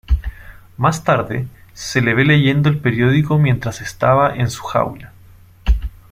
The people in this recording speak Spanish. Más tarde, se le ve leyendo el periódico mientras estaba en su jaula.